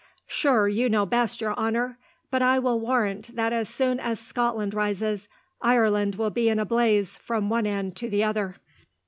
"Sure, you know best, your honour; but I will warrant that as soon as Scotland rises, Ireland will be in a blaze from one end to the other."